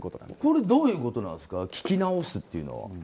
どういうことですか聞き直すっていうのは。